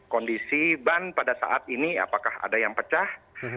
kondisi ban pada saat ini apakah ada yang pecah